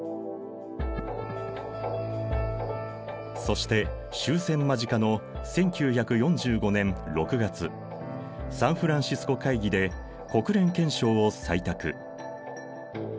そして終戦間近の１９４５年６月サンフランシスコ会議で国連憲章を採択。